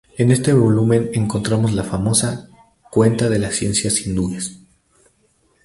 En este volumen encontramos la famosa ""Cuenta de las Ciencias Hindúes"".